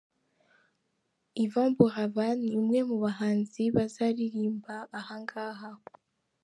Yvan Buravan ni umwe mu bahanzi bazaririmba aha ngaha.